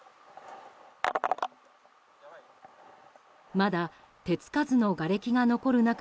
まだ手付かずのがれきが残る中